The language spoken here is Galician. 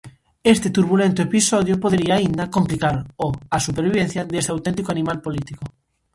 Este turbulento episodio podería aínda complicar o a supervivencia deste auténtico animal político.